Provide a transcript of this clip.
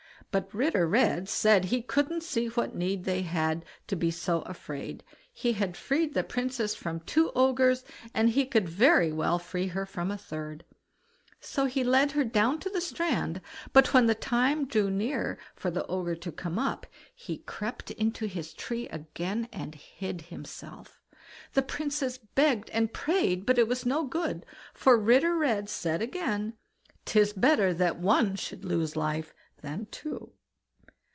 But Ritter Red said he couldn't see what need they had to be so afraid; he had freed the Princess from two Ogres, and he could very well free her from a third; so he led her down to the strand, but when the time drew near for the Ogre to come up, he crept into his tree again, and hid himself. The Princess begged and prayed, but it was no good, for Ritter Red said again: "'Tis better that one should lose life than two."